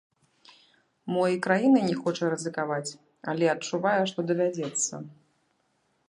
Мо і краінай не хоча рызыкаваць, але адчувае, што давядзецца.